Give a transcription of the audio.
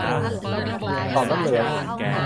ต่อมน้ำเหลือง